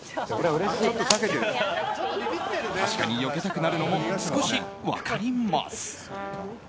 確かによけたくなるのも少し分かります。